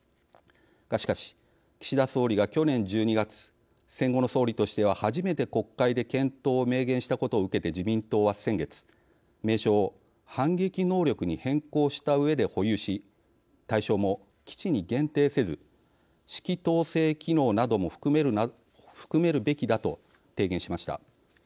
が、しかし岸田総理が去年１２月戦後の総理としては初めて国会で検討を明言したことを受けて自民党は先月名称を「反撃能力」に変更したうえで保有し対象も基地に限定せず指揮統制機能なども含めるべきだと提言しました。